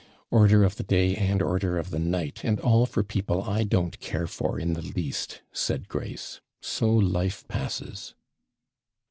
Order of the day and order of the night, and all for people I don't care for in the least,' said Grace. 'So life passes!'